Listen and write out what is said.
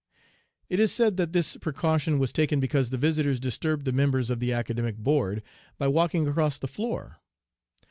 It is said that this precaution was taken because the visitors disturbed the members of the Academic Board by walking across the floor.